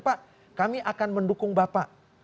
pak kami akan mendukung bapak